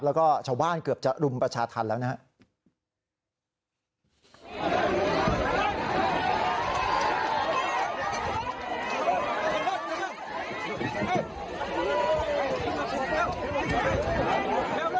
แล้วก็ชาวบ้านเกือบจะรุมประชาธรรมแล้วนะครับ